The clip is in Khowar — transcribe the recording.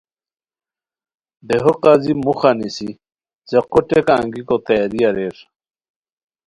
دیہو قاضی موخہ نیسی څیقو ٹیکہ انگیکو تیاری اریر